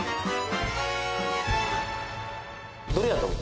どれやと思う？